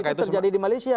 itu terjadi di malaysia